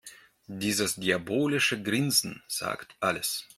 Dieses diabolische Grinsen sagt alles.